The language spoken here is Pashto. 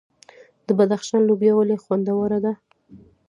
د بدخشان لوبیا ولې خوندوره ده؟